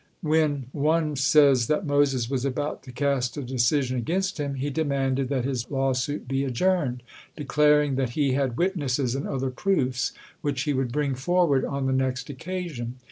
When on say that Moses was about to cast a decision against him, he demanded that his lawsuit be adjourned, declaring that had witnesses and other proofs, which he would bring forward on the next occasion.